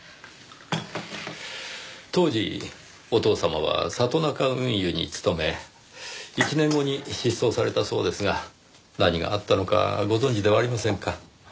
当時お父様は里中運輸に勤め１年後に失踪されたそうですが何があったのかご存じではありませんか？